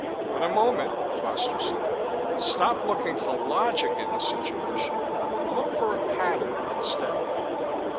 "For the moment," Foster said, "stop looking for logic in the situation. Look for a pattern instead."